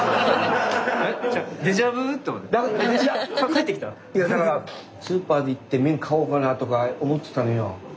帰ってきた⁉いやだからスーパーで行って麺買おうかなとか思ってたのよ。